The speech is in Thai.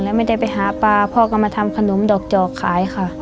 แล้วไม่ได้ไปหาปลาพ่อก็มาทำขนมดอกจอกขายค่ะ